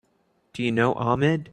Do you know Ahmed?